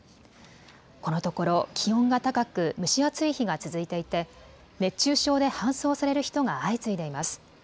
このところ気温が高く蒸し暑い日が続いていて熱中症で搬送される人が相次いでいます。